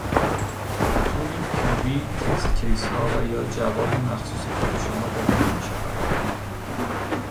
توی پیوی تست کیس ها و یا جوابی مخصوص کد شما داده نمیشود